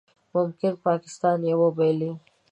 ممکن پاکستان یې وبایلي